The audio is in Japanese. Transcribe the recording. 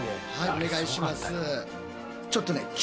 お願いします。